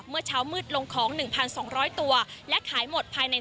เมื่อเช้ามืดลงของหนึ่งพันสองร้อยตัวและขายหมดภายใน